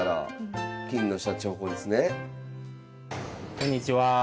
こんにちは。